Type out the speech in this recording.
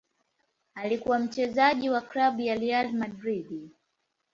Alikuwa mchezaji wa klabu ya Real Madrid.